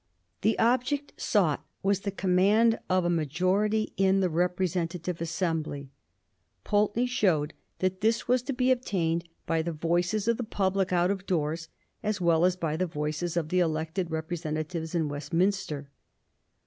The object sought was the com mand of a majority in the representative assembly. Pulteney showed how this was to be obtained by the voices of the public out of doors as well as by the votes of the elected representatives in Westminster.